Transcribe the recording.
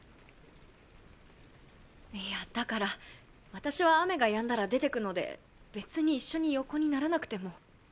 いやだから私は雨がやんだら出てくので別に一緒に横にならなくても。